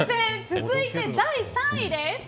続いて、第３位です。